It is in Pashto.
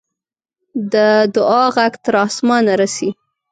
د دعا ږغ تر آسمانه رسي.